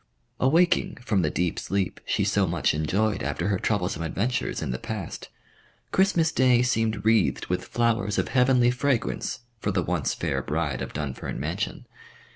Awaking from the deep sleep she so much enjoyed after her troublesome adventures in the past, Christmas Day seemed wreathed with flowers of heavenly fragrance for the once fair bride of Dunfern Mansion.